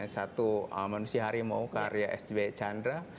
satu manusia harimau karya s b chandra